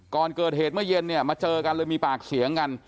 ก่อนเกิดเหตุเมื่อเย็นเนี่ยมาเจอกันเลยมีปากเสียงกัน